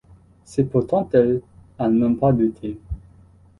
C’est pourtant elle, à n’en pas douter.